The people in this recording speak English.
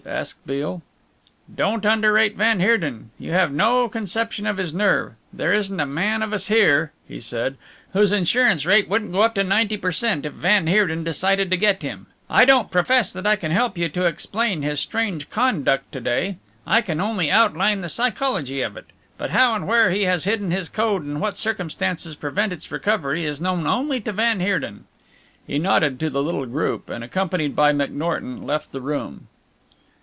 asked Beale. "Don't underrate van Heerden. You have no conception of his nerve. There isn't a man of us here," he said, "whose insurance rate wouldn't go up to ninety per cent. if van Heerden decided to get him. I don't profess that I can help you to explain his strange conduct to day. I can only outline the psychology of it, but how and where he has hidden his code and what circumstances prevent its recovery, is known only to van Heerden." He nodded to the little group, and accompanied by McNorton left the room.